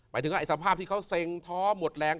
ถึงไอ้สภาพที่เขาเซ็งท้อหมดแรง